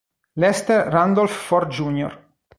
Lester Randolph Ford Jr.